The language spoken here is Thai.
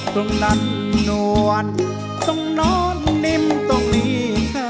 ตรงนั้นนวลทรงนอนนิ้มตรงนี้